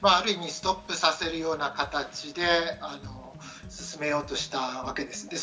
ストップさせるような形で進めようとしたわけです。